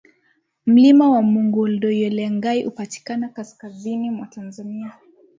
Mlima wa Mungu Ol Doinyo Lengai unapatikana kaskazini mwa Tanzania